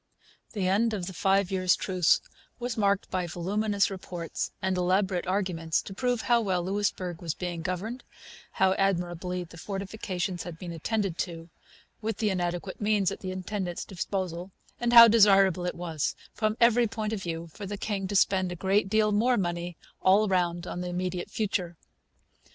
The end of the five years' truce was marked by voluminous reports and elaborate arguments to prove how well Louisbourg was being governed, how admirably the fortifications had been attended to (with the inadequate means at the intendant's disposal), and how desirable it was, from every point of view, for the king to spend a great deal more money all round in the immediate future.